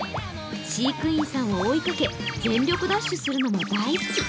飼育さんを追いかけ、全力ダッシュするのも大好き。